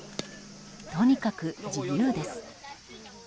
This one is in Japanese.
とにかく自由です。